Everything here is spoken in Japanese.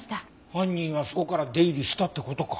犯人はそこから出入りしたって事か。